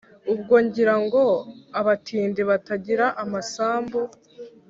Ubwo ngira ngo abatindi Batagira amasambu